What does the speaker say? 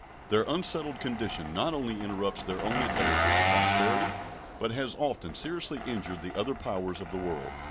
Their unsettled condition not only interrupts their own advances to prosperity, but has often seriously injured the other powers of the world.